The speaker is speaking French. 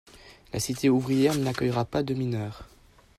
La cité ouvrière n'accueillera pas de mineurs.